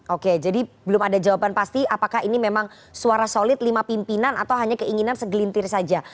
oke jadi belum ada jawaban pasti apakah ini memang suara solid lima pimpinan atau hanya keinginan segelintir saja